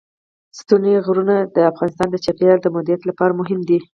ستوني غرونه د افغانستان د چاپیریال د مدیریت لپاره مهم دي.